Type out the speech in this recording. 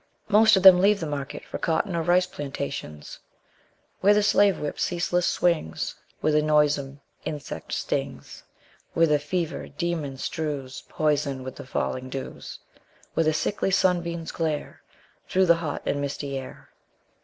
Most of them leave the market for cotton or rice plantations, "Where the slave whip ceaseless swings, Where the noisome insect stings, Where the fever demon strews Poison with the falling dews, Where the sickly sunbeams glare Through the hot and misty air."